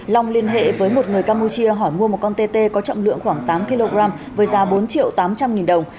long liên hệ với một người campuchia hỏi mua một con tê tê có trọng lượng khoảng tám kg với giá bốn triệu tám trăm linh nghìn đồng